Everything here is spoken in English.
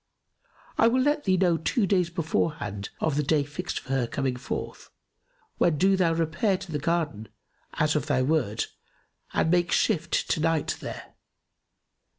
I will let thee know two days beforehand of the day fixed for her coming forth, when do thou repair to the garden, as of thy wont, and make shift to night there.